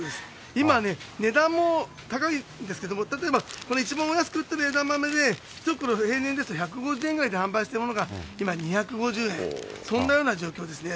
今ね、値段も高いんですけれども、例えば、これ、一番お安く売ってる枝豆で１袋平年ですと１５０円ぐらいで販売しているものが、今、２５０円、そんなような状況ですね。